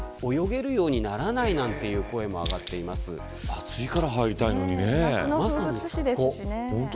暑いから入りたいのにね。